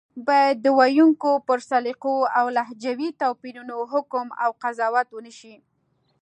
بايد د ویونکو پر سلیقو او لهجوي توپیرونو حکم او قضاوت ونشي